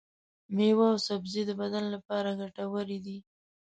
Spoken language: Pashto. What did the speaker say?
ميوې او سبزي د بدن لپاره ګټورې دي.